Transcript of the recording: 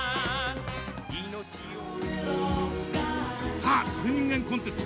さあ、鳥人間コンテスト。